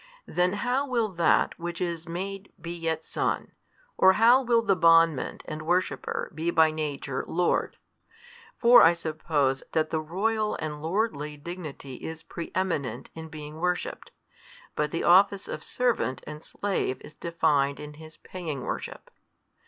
Then how will that which is made be yet Son, or how will the bondman and worshipper be by Nature Lord? For I suppose that the royal and lordly dignity is pre eminent in being worshipped: but the office of servant and slave is defined in his paying worship.